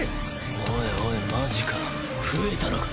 おいおいマジか増えたのか！